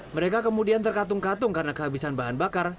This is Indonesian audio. mereka kemudian terkatung katung karena kehabisan bahan bakar